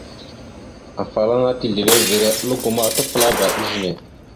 Afalaŋana tislevere algo ma tapəlaba izəne.